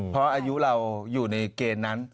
เพราะอายุเราอยู่ในเกณฑ์นั้น